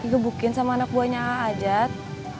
di gebukin sama anak buahnya aa jat